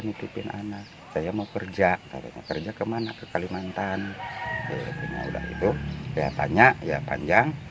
menitipin anak saya mau kerja kerja kemana ke kalimantan udah itu ya tanya ya panjang